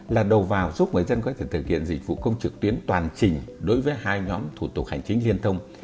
là đầu vào giúp người dân có thể thực hiện dịch vụ công trực tuyến toàn trình đối với hai nhóm thủ tục hành chính liên thông